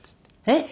えっ！